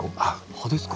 葉ですか？